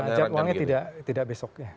ya ya jadwalnya tidak besok ya